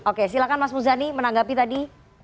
oke silahkan mas muzani menanggapi tadi